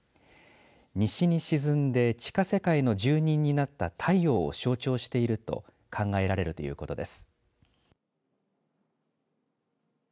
西に沈んで地下世界の住人になった太陽を象徴していると考えられるということです。